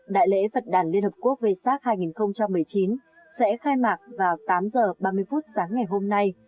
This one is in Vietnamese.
đại lễ phật đàn liên hợp quốc về sát hai nghìn một mươi chín sẽ khai mạc vào tám h ba mươi phút sáng ngày hôm nay